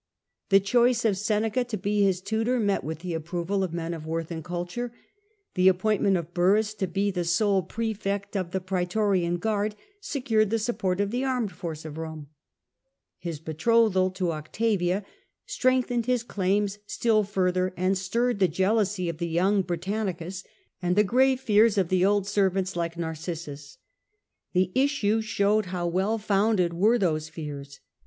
The Claudius, choice of Seneca to be his tutor met with the approval of men of worth and culture ; the ap' pointnient of Burrhus to be the sole prasfect of the prae torian guard secured the support of the armed force of Rome. His betrothal to Octavia strengthened his claims still further, and stirred the jealousy of the young Britannicus and the grave fears of the old servants like Narcissus. The issue showed how well founded w^ere those fears.